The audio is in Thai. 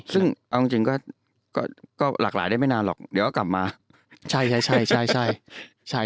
ซึ่งเอาจริงก็ก็หลากหลายได้ไม่นานหรอกเดี๋ยวก็กลับมาใช่ใช่